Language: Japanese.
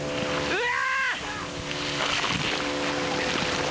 うわ！